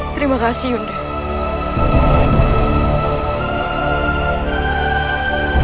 aku akan mengawasi kedatanganmu